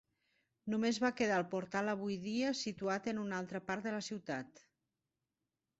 Només va quedar el portal avui dia situat en una altra part de la ciutat.